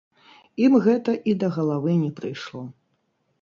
Ім гэта і да галавы не прыйшло.